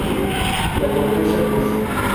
La corteza gris.